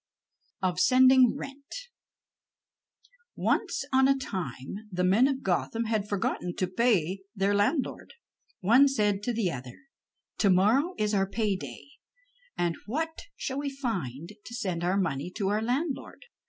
OF SENDING RENT Once on a time the men of Gotham had forgotten to pay their landlord. One said to the other: "To morrow is our pay day, and whom shall we find to send our money to our landlord?"